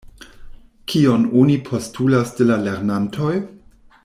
Kion oni postulas de la lernantoj?